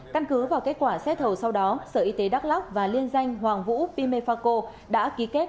căn cứ vào kết quả xét thầu sau đó sở y tế đắk lóc và liên danh hoàng vũ pimefaco đã ký kết